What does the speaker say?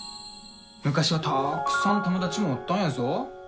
昔はたくさん友達もおったんやぞ。